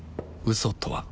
嘘とは